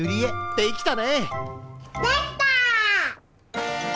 できた！